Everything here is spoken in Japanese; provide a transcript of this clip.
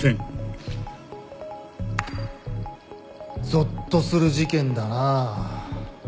ぞっとする事件だなあ。